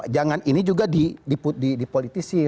jangan ini juga diput di politisi